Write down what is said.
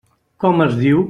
Com es diu?